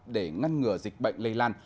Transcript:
để ngăn ngừa dịch bệnh lây lan